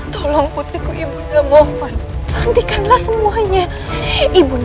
tolong putriku ibu lemoh lemo hantikanlah semuanya ibu